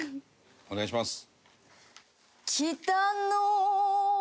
お願いします。